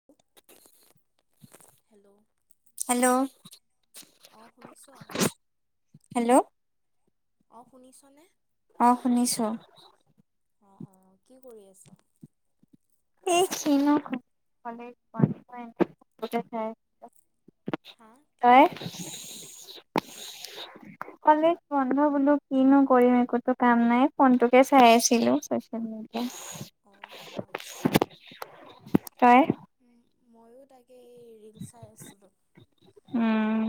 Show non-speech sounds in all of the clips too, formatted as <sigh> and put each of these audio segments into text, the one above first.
<unintelligible> Hello, hello, অ শুনিছ অ। হেল্ল', অ শুনিছ নে? অ শুনিছো। অ অ কি কৰি আছ। এই কিনো <unintelligible> হা কি হয়! ক'লি <unintelligible> <inaudible> কলেজ বন্ধ বোলো। কিনো, কৰিম! একোটো কাম নাই, ফোনটোকে চাই আছিলোঁ। <unintelligible> অ' অ'! আচ্ছা। তই? মইও তাকে এই ৰীলচ চাই আছিলোঁ। উম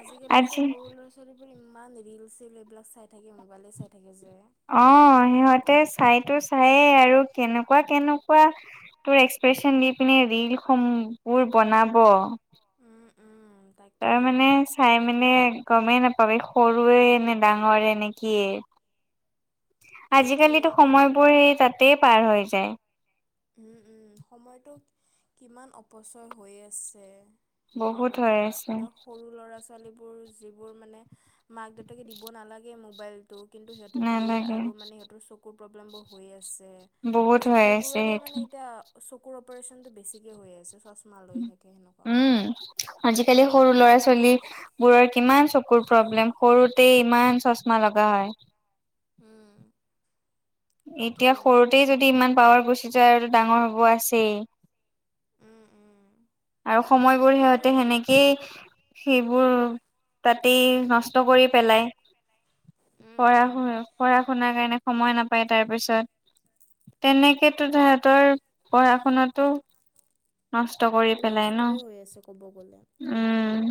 আজি কালি যে, সৰু ল'ৰা ছোৱালীবোৰ ইমান ৰিলচ, চিল এইবিলাক চাই থাকে, মোবাইলে চাই থাকে যে। অ'! সিহঁতে, চাইতো চায়ে আৰু কেনকুৱা- কেনকুৱা তোৰ, এক্সপ্ৰেচন দি পিনে, ৰিল সমূহ, বোৰ বনাব। উম উম তাৰমানে, তাকেই চাই মানে, গমেই নাপাব। এই, সৰুৱে নে, ডাঙৰে নে কিয়ে? <inaudible> সেইটোৱে আজিকালিতো, এতিয়া মানে সময়বোৰ সেই, তাতে পাৰ হৈ যায়। উম, উম! সময়টো, কিমান অপচয় হৈ আছে। সেনকুৱা বহুত হৈ কথা। আছে ধৰক, সৰু ল'ৰা-ছোৱালী ছোৱালীবোৰ, যিবোৰ মানে, মাক-দেউতাকে দিব নালাগে মোবাইল। কিন্তু, সিহঁতে দিয়ে নালাগে আৰু। মানে, সিহঁতৰ চকুৰ প্ৰব্লেম বোৰ হৈ আছে। বহুত তাৰপিছত, হৈ আছে সেইবোৰৰে সেইটো মানে এতিয়া, চকুৰ অপাৰচনতটো বেছিকে হৈ আছে, চশমা লৈ থাকে, সেনেকুৱা উম কথা। আজিকালি, সৰু ল'ৰা-ছোৱালী বোৰৰ, কিমান চকুৰ প্ৰব্লেম, সৰুতে ইমান চশমা লগা হয়। উম! সেইটোৱে। এতিয়া, সৰুতেই যদি, ইমান সৰুতেই পাৱাৰ যদি গুচি ইমান যায় পাৱাৰ আৰু গুচি ডাঙৰ যায় আৰু হ'ব আছেই। আছেই। উম! উম! আৰু সময়বোৰ, কিন্তু সিহঁতে এই সেনেকেই সেইবোৰ, তাতেই নষ্ট কৰি পেলায়। উম পঢ়া-শুনা, উম। পঢ়া-শুনাৰ কাৰণে, সময় নাপায়। তাৰপিছত <inaudible> তেনেকেতো, তাহাঁতৰ পঢ়া- শুনাটো নষ্ট কৰি পেলাই ন নষ্টই হৈ আছে, ক'ব গ'লে। উম!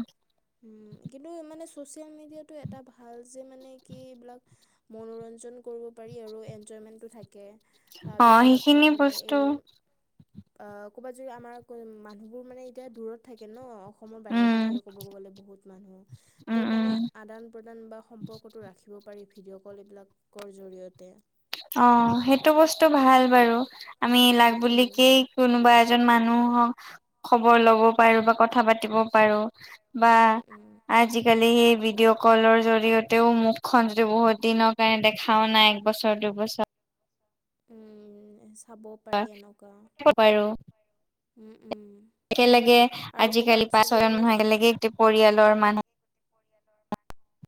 উম! কিন্তু, মানে চচিয়েল মিডিয়াটো, এটা ভাল যে, মানে কি, এইবিলাক মনোৰঞ্জন কৰিব পাৰি আৰু। এনজয়মেণ্টটো থাকে। অ তাৰপিছত, আকৌ সেইখিনি মানে, এই বস্তু অ'! ক'বাত যদি আমাৰ, মানুহবোৰ মানে, এতিয়া দূৰত থাকে ন'! অসমৰ বাহিৰতে থাকে। উম, ক'বগলে বহুত মানুহ! উম, ত' মানে, উম, আদান- প্ৰদান বা সম্পৰ্কটো ৰাখিব পাৰি। ভিডিঅ' ক'ল, এইবিলাকৰ জৰিয়তে। অ'! সেইটো বস্তু ভাল বাৰু। আমি, লাগ বুলিকেই কোনোবা এজন মানুহক, খবৰ ল'ব পাৰোঁ বা কথা পাতিব পাৰোঁ বা উম উম আজিকালি, সেই ভিডিঅ' ক'লৰ জৰিয়তেও, মুখ খন যদি বহুত দিনৰ কাৰণে, দেখাও নাই একবছৰ। সেইটো অৱস্থা। উম! চাব পাৰি এনেকুৱা। পাৰোঁ উম, উম! একেলগে আৰু আজিকালি কৰ'বাত পাঁচ যদি ছয়জন মানে মানুহ একেলগে পৰিয়ালৰ মানুহ,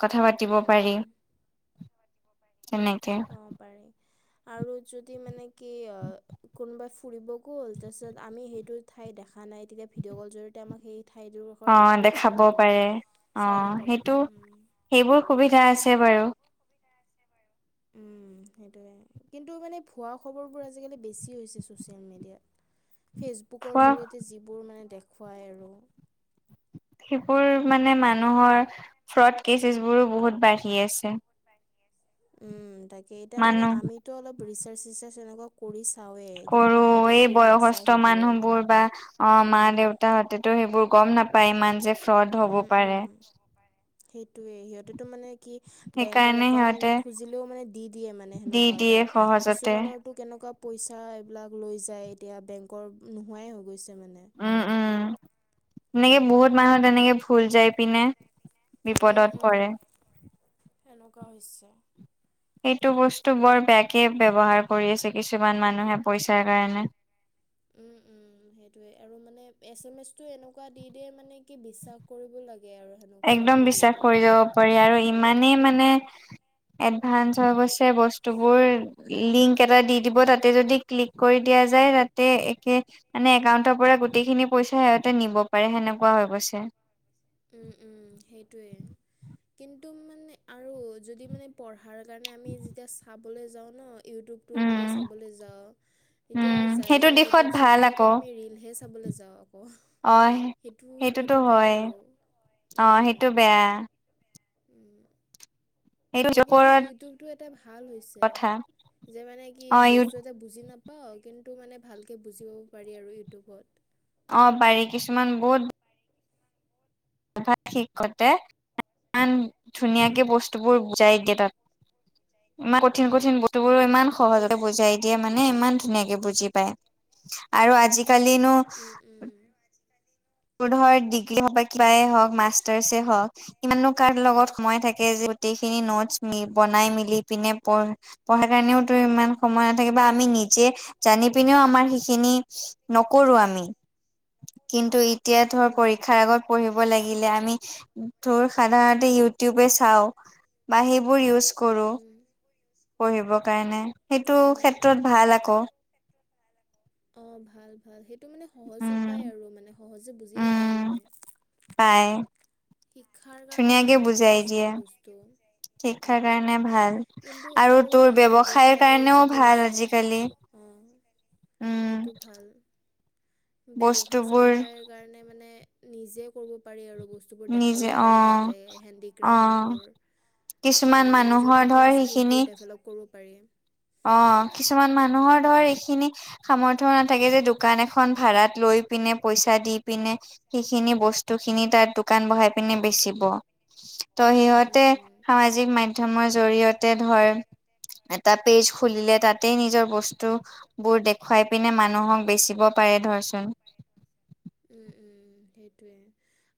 কথা পাতিব উম পাৰি। উম <unintelligible> অ'! পাৰি। আৰু যদি মানে, কি অ'! কোনোবাই ফুৰিব গ'ল। তাৰপিছত, আমি সেইটো ঠাই দেখা নাই। তেতিয়া, ভিডিঅ' ক'ল জৰিয়তে, আমাক সেই ঠাইটোৰ ঘৰ অ', দেখিব দেখাব পাৰি আৰু, পাৰে। চাব অ', পাৰি সেইটো উম। সেইবোৰ সুবিধা আছে বাৰু উম সেইটোৱে। কিন্তু মানে, ভুৱা খবৰবোৰ আজিকালি বেছি হৈছে, ছ'চিয়েল মিডিয়াত। ফেচবুকৰ খোৱা জৰিয়তে যিবোৰ মানে, দেখুৱায় আৰু। সেইবোৰ মানে, মানুহৰ ফ্ৰড কেছেছ বোৰো বহুত বাঢ়ি আছে। উম তাকে এতিয়া মানে মানুহ আমিতো অলপ ৰিচাৰ্চ চিচাৰ্চ এনেকুৱা কৰি চাওৱে, কিন্তু কৰো মা হঁতেতো এই কৰি নাচায় বয়সস্থ সেইবোৰ, মানুহবোৰ বা অ অঁ। অঁ মা দেউতাহঁতেতো মা - সেইবোৰ দেউতা হঁতেতো গম নাপায় সেইবোৰ ইমান যে গম ফ্ৰড নাপায় হব পাৰে। সেইটোয়ে, সিহঁতেতো মানে কি বেংকৰ সেইকাৰণে সিহঁতে একাউণ্ট খুজিলেও মানে দি দিয়ে মানে দি সেনেকুৱা দিয়ে এতিয়া সহজতে। কিছুমানৰ টো কেনেকুৱা পইচা এইবিলাক লৈ যায় এতিয়া বেংকৰ নোহোৱাই হৈ গৈছে মানে। উম উম, এনেকে সেনেকুৱা বহুত মানুহ তেনেকে ভুল যাই পিনে উম বিপদত উম পৰে। সেনেকুৱা হৈছে। সেইটো বস্তু বৰ বেয়াকে ব্যৱহাৰ কৰি আছে, কিছুমান মানুহে পইচাৰ কাৰণে। উম উম সেইটোয়ে, আৰু মানে এছ এম এছ টো এনেকুৱা দি দিয়ে মানে কি বিশ্বাস কৰিব লাগে আৰু। সেনেকুৱা একদম টাইপৰ দি বিশ্বাস দিয়ে কৰি যাব পাৰি আৰু অ ইমান মানে এডভান্স হৈ গছে বস্তুবোৰ লিংক এটা দি দিব তাতে যদি ক্লিক কৰি দিয়া যায় তাতে একে মানে একাউণ্টৰ পৰা গোটেইখিনি পইচা সিহঁতে নিব পাৰে সেনেকুৱা হৈ গৈছে। উম উম সেইটোৱে, কিন্তু মানে আৰু যদি মানে পঢ়াৰ কাৰণে আমি যেতিয়া চাবলৈ যাওঁ ন, ইউটিউবটো মানে উম, চাবলৈ যাওঁ এতিয়া উম, যাই সেইটো যাই দিশত ইউটিউব ভাল চাবৰেদি আকৌ আমি ৰিলহে চাবলৈ যাওঁ আক। অ', সেইটো এইটো বেয়া আৰু, অঁ উম, সেইটো বেয়া। উম। সেইটো কিন্তু ওপৰত ইউটিউবটো এটা ভাল হৈছে, কথা যে মানে কি অ', ইউ বস্তু এটা বুজি নাপ পাওঁ কিন্তু মানে ভালকে বুজিব পাৰি আৰু ইউটিউবত। অঁ পাৰি কিছুমান বহুত তাত শিকতে ইমান উম, ধুনীয়াকে উম। বস্তুবোৰ বুজাই দিয়ে তাত। ইমান কঠিন কঠিন বস্তুবোৰ ইমান অ' সেইটো সহজতে ভাল। বুজাই। দিয়ে মানে ইমান ধুনীয়াকে বুজি পায়, আৰু আজিকালিনো উম, উম। তোৰ ধৰ ডিগ্ৰী হওঁক বা কিবাই হওঁক মাষ্টাৰছে হওঁক ইমানো কাৰ লগত সময় থাকে যে গোটেইখিনি নটছ ম বনাই মেলি পিনে পঢ়। পঢ়াৰ কাৰণেওতো ইমান সময় নাথাকিব। আমি নিজে জানি পিনেও আমাৰ সেইখিনি নকৰো আমি, কিন্তু এতিয়া উম, ধৰ উম, পৰীক্ষাৰ নকৰোঁ। আগত পঢ়িম - - ব লাগিলে আমি তোৰ সাধাৰণতে ইউটোবয়ে চাও, বা সেইবোৰ ইউজ - - কৰোঁ, উম। পঢ়িবৰ কাৰণে সেইটো অ'। ক্ষেত্ৰত ভাল আক। অ ভাল ভাল, সেইটো মানে সহজ উপায় উম আৰু মানে সহজে বুজিও পায় মানে। পায় শিক্ষাৰ কাৰণে ভাল দিয়ে কিছুমান বস্তু। শিক্ষাৰ কাৰণে উম ভাল কিন্তু আৰু তোৰ ব্যৱসায়ৰ ব্যৱসায় কাৰণেও যিবোৰ ভাল আছে আজিকালি অঁ উম সেইটো ভাল। ব্যৱসায় বস্তুবোৰ চেবসায়ৰ কাৰণে মানে নিজে কৰিব পাৰি আৰু বস্তু বস্তুবোৰ দেখাব নিজে অ পাৰি তাতে অ হেডিক্ৰাফ সেই বোৰ কিছুমান আৰু নিজৰ মানুহৰ ধৰ কুকিং স্কিলবোৰ ডেভেলপ কৰিব পাৰি। অঁ কিছুমান মানুহৰ ধৰ উম এইখিনি সামৰ্থ্য নাথাকে যে দোকান এখন ভাড়াত লৈ পিনে, পইচা দি পিনে সেইখিনি বস্তু খিনি তাত দোকান বহাই পিনে বেচিব', ত', উম সিহঁতে উম সামাজিক মাধ্যমৰ জৰিয়তে ধৰ, এটাত', পেজ খুলিলে তাতেই নিজৰ বস্তু', বোৰ দেখুৱাই পিনে মানুহক বেচিব পাৰে ধৰচোন', উম উম সেইটোয়ে,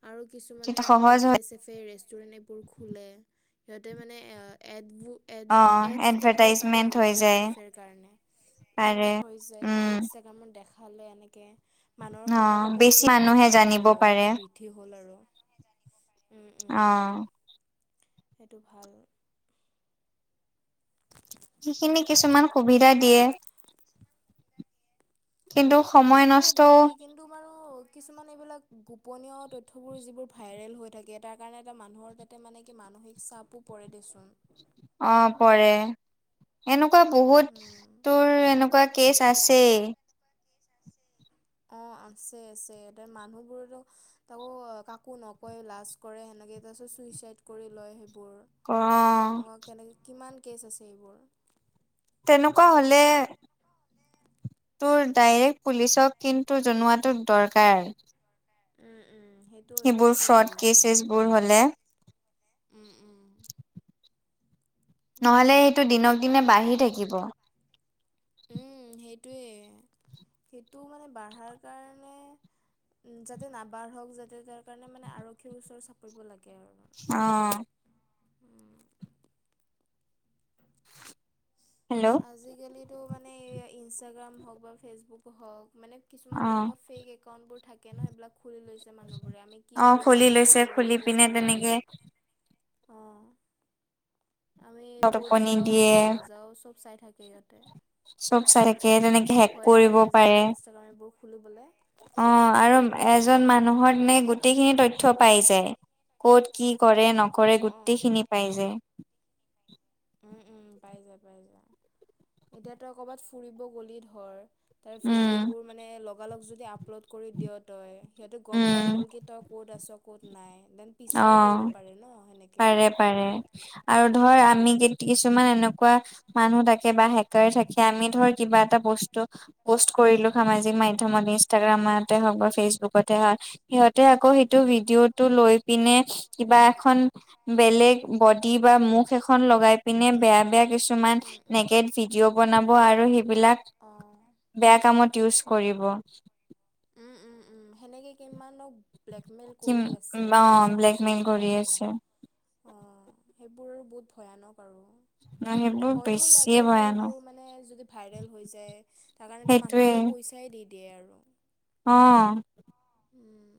আৰু কিছুমানে তেতিয়া যে সহজ হয় কেফে চেফে কেফে ৰেষ্টুৰেণ্ট এইবোৰ খোলে, সিহঁতে মানে এডবোৰ এড অ এডছ দেখাব পাৰে এডভাৰটাইজমেন্ট আৰু হৈ নিজৰ যায় কেফেৰ কাৰণে, উম পাৰে হৈ যায় উম ইনফেক দেখালে এনেকে মানুহৰ অ সমাগমো বেছি তেতিয়া সেই মানুহে কেফেলে জানিব বৃ', পাৰে মানে বৃদ্ধি হ'ল আৰু', উম', - অ উম', সেইটো ভাল', সিখিনি কিছুমান সুবিধা দিয়ে', কিন্তু সময় নষ্টও', তোমাৰ কিছুমান এইবিলাক গোপনীয় তথ্যবোৰ যিবোৰ ভাইৰেল হৈ থাকে তাৰ কাৰণে এটা মানুহৰ তে', তেতিয়া মানে কি মানসিক চাপো পৰে দেচোন', অ', পৰে, এনেকুৱা বহুত উম তোৰ এনেকুৱা', কেচ আছেই', অ', আছে', - আছে', এতিয়া মানুহবোৰতো', তাকো কাকো নকয় লাজ কৰে সেনেকে, তাৰপিছত চুইচাইড কৰি লয় সেইবোৰ', অ এনেকুৱা কেনেকে কিমান কেচ আছে এইবোৰ', তেনেকুৱা হ'লে', তোৰ ডাইৰেক্ট পুলিচক কিন্তু জনোৱাটো দৰকাৰ', উম', - উম', সেইটো সেইবোৰ অত্যন্ত ফ্ৰড জৰুৰী কেচেছ মানে বোৰ হলে উম', -উম', নহ'লে সেইটোৱে সেইটো দিনক দিনে বাঢ়ি থাকিব', উম', সেইটোৱে, সেইটো মানে বঢ়াৰ কাৰণে', উম', যাতে নাবাঢ়কহ যাতে তাৰ কাৰণে মানে আৰক্ষীৰ ওচৰ চাপিব লাগে আৰু', অহ', উম', হেল্ল' আজিকালিতো মানে এই ইনষ্টাগ্ৰাম হওঁক বা ফেচবুক হওঁক মানে', কিছুমান অ এনেকুৱা ফেক একাউণ্টবোৰ থাকে ন সেইবিলাক খুলি লৈছে মানুহবোৰে আমি কি অ কৰোঁ', খুলি কি লৈছে নকৰোঁ এইবোৰ খুলি যে পিনে চাই থাকে', তেনেকে অ', আমি ক'ত টোপনি যাও দিয়ে ক'ত নাযাওঁ চব', চাই থাকে ইহঁতে', চব চাই থাকে তেনেকে হেক কৰিব লাগে পাৰে', আজিকালি ইনষ্টাগ্ৰাম এইবোৰ খুলিবলৈ। অ', উম আৰু উম। এজন মানুহৰ এনেকে গোটেইখিনি তথ্য পাই যায়', ক'ত কি কৰে নকৰে অ। গোটেই খিনি পাই যে', উম', - উম', পাই যায়, - পাই যায়, এতিয়া‌ তই কবাত ফুৰিব গলি ধৰ', তাৰ উম ভিডিঅ'বোৰ মানে লগালগ যদি আপলোড কৰি দিয় তই', সিহঁতে গম পাই উম গ'ল কি তই ক'ত আছ ক'ত নাই, দেন', পিছাও কৰিব অ', পাৰে ন সেনেকে। পাৰে, - পাৰে, আৰু উম। ধৰ আমি কেতি', কিছুমান এনেকুৱা মানুহ থাকে বা হেকাৰ থাকে আমি ধৰ কিবা এটা বস্তু', প'ষ্ট কৰিলোঁ সামাজিক মাধ্যমত, ইনষ্টাগ্ৰামতে হওঁক বা ফেচবুকতে হওঁক', সিহঁতে আকৌ সেইটো ভিডিঅ' টো লৈ', পিনে কিবা এখন, বেলেগ বডি বা মুখ এখন লগাই পিনে বেয়া', বেয়া উম, কিছুমান নেকেট ভিডিঅ' বনাব আৰু সি', অহ', বেয়া কামত ইউজ কৰিব', উম', - উম', - উম', সেনেকে কিমানৰ', ব্লেকমেইল কি কৰি আছে, অ পইচা খুজি ব্লেকমেইল আছে কৰি তাৰ কাৰণে', আছে অ', সেইবোৰ বহুত ভয়ানক আৰু', সেইবোৰ ভয়ো বেছিয়ে লাগে যে ভয়ানক সেইবোৰ মানে যদি। ভাইৰেল হৈ যায়, তাৰ কাৰণেতো সেইটোৱে মানুহবোৰে পইচাই দি দিয়ে আৰু অ। উম।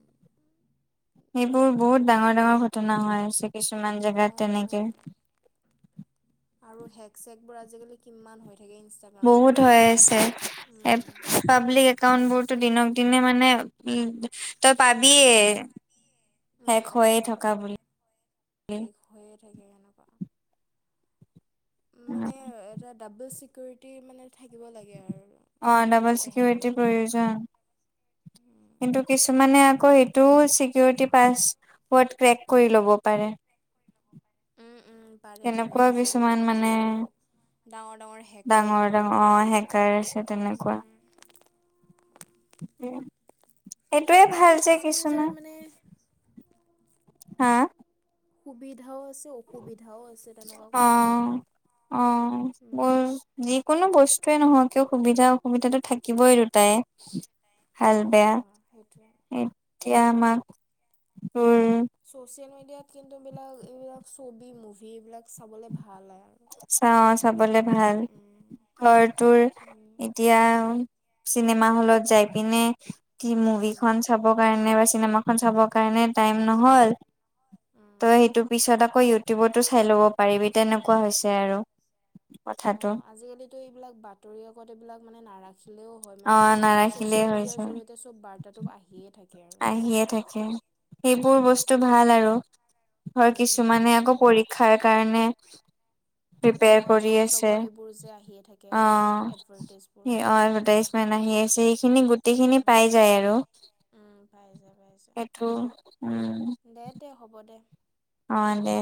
সেইবোৰ বহুত ডাঙৰ ডাঙৰ ঘটনা হৈ আছে কিছুমান জেগাত অঁ তেনেকৈ', অঁ আৰু হেক চেক বোৰ আজিকালি কিমান হৈ থাকে ইনষ্টা', বহুত হৈ আছে, এপ', পাব্লিক একাউন্ট বোৰতো দিনক দিনে মানে, উম', তই পাবিয়ে', উম শেষ হৈয়ে উম, থকা বুলি। শেষ হৈয়ে থাকে কেনেকুৱা। মানে এটা ডাবোলো চিকিউৰিটি মানে থাকিব লাগে আৰু অ একাউণ্ট ডাবল যাতে হেক চিকিউৰিটিৰ নহয় আৰু প্ৰয়োজন। উম। কিন্তু কিছুমানে আকৌ সেইটোও চিকিউৰিটি পাছ, ৱৰ্ড ক্ৰেক কৰি ল'ব পাৰে। উম উম পাৰে পাৰে তেনেকুৱা যিবোৰ কিছুমান মানে বহুত আৰু ডাঙৰ ডাঙৰ হেকাৰ বোৰ আৰু শেকাৰ আছে তেনেকুৱা। এইটোৱে এনেইতো ভাল যে ছ'চিয়েল কিছুমান। <unintelligible> হা। সুবিধাও আছে অসুবিধাও আছে তেনেকুৱা অ', কথা আৰু অ', বৰ উম। যিকোনো বস্তুৱে নহওক কিয় সুবিধা অসুবিধাতো থাকিবই দুটাই। ভাল অঁ বেয়া অঁ সেইটোৱে। এতিয়া আমাক উ। চচিয়েল মিডিয়াত কিন্তু এইবলাক এইবিলাক ছবি মুভি এইবিলাক চাবলে ভাল হয় আৰু চাও অ চাবলে ভাল। উম ধৰটোৰ তুমি এতিয়া চিনেমা হলত যাই পিনে। স মুভিখন উম। চাবৰ কাৰণে বা চিনেমাখন চাব কাৰণে টাইম নহ'ল। ত উম, সেইটো পিছত আকৌ ইউটিউবতো চাই ল'ব পাৰিবি তেনেকুৱা হৈছে আৰু অ কথাটো আজিকালিতো এইবিলাক বাতৰি কাগজ এইবিলাক মানে নাৰাখিলেও। হয় মানে, অ', নাৰাখিলেই চচিয়েল হৈ মিডিয়াৰ যায় জৰিয়তে চব বাৰ্তাটো আহিয়ে থাকে আৰু সেনেকুৱা আহিয়ে কথা। থাকে সেইবোৰ উম। বস্তু ভাল আৰু ধৰ উম উম কিছুমানে ভাল আকৌ ভাল। পৰি খাৰ কাৰণে। প্ৰিপেয়াৰ <inaudible> অঁ কৰি জব আছে। চবৰ এইবোৰ যে আহিয়ে থাকে আৰু এডভাৰটাইজবোৰ ভাল আৰু মান আহি তেতিয়া। আছে সেইখিনি গোটেইখিনি পাই যায় আৰু উম পাই যায় পাই যায় সেইটো, উম। দে হ'ব দে। অ দে।